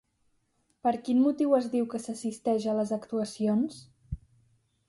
Per quin motiu es diu que s'assisteix a les actuacions?